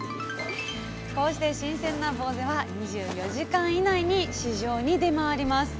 こうして新鮮なぼうぜは２４時間以内に市場に出回ります。